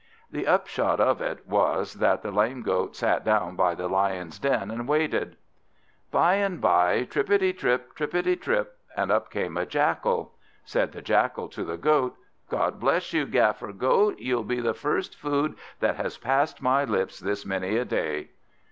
The upshot of it was, that the lame Goat sat down by the Lion's den, and waited. By and by, trippity trip, trippity trip, and up came a Jackal. Said the Jackal to the Goat, "God bless you, Gaffer Goat, you'll be the first food that has passed my lips this many a day."